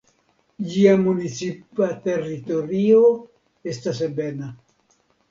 Ĝia municipa teritorio estas ebena.